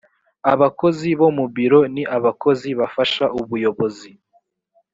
abakozi bo mu biro ni abakozi bafasha ubuyobozi